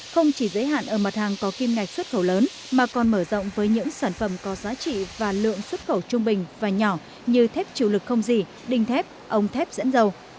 không chỉ giới hạn ở mặt hàng có kim ngạch xuất khẩu lớn mà còn mở rộng với những sản phẩm có giá trị và lượng xuất khẩu trung bình và nhỏ như thép chịu lực không gì đinh thép ống thép dẫn dầu